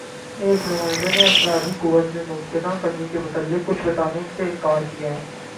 ایک نمائندے نے افرادی قوت میں ممکنہ کمی کے متعلق کچھ بتانے سے اِنکار کِیا